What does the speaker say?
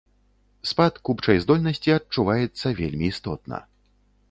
Спад купчай здольнасці адчуваецца вельмі істотна.